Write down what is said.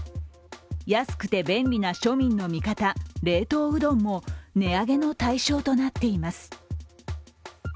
安くて便利な庶民の味方、冷凍うどんも値上げの対象となっています。